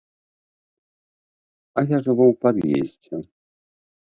А я жыву ў пад'ездзе.